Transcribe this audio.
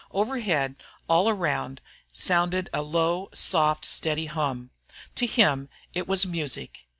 Overhead, all around, sounded a low, soft, steady hum. To him it was music.